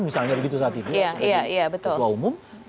misalnya begitu saat itu